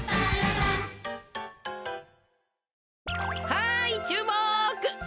はいちゅうもく！